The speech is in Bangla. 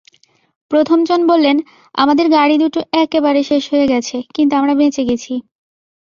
প্রথমজন বললেন, আমাদের গাড়ি দুটো একেবারে শেষ হয়ে গেছে, কিন্তু আমরা বেঁচে গেছি।